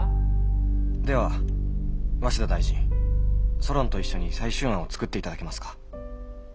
「では鷲田大臣ソロンと一緒に最終案を作っていただけますか？」。